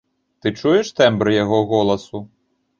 Ты чуеш тэмбр яго голасу?